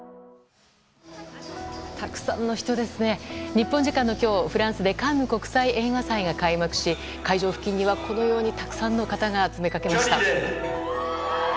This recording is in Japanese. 日本時間の今日、フランスでカンヌ国際映画祭が開幕し会場付近には、このように大勢の方が詰めかけました。